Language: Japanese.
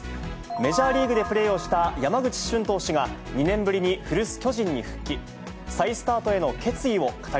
メジャーリーグでプレーをした山口俊投手が、２年ぶりに古巣、巨人に復帰。